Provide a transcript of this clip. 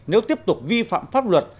nếu tiếp tục vi phạm pháp luật